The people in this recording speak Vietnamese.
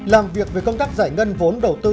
làm việc về công tác giải ngân vốn đầu tư